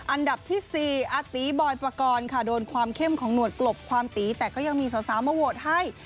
อันดับที่๔อาตีบอยปกรณ์ค่ะโดนความเข้มของหนวดกลบความตีแต่ก็ยังมีสาวมาโหวตให้